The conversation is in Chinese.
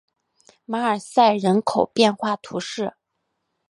马尔赛人口变化图示